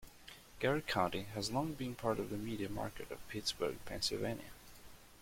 Garrett County has long been part of the media market of Pittsburgh, Pennsylvania.